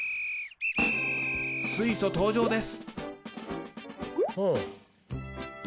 水素登場です。